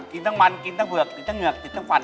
ทั้งมันกินทั้งเผือกติดทั้งเหงือกติดทั้งฟัน